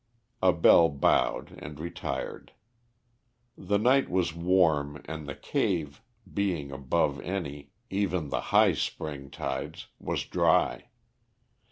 Abell bowed and retired. The night was warm and the cave, being above any, even the high spring tides, was dry.